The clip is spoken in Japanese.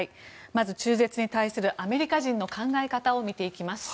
まず、中絶に対するアメリカ人の考え方を見ていきます。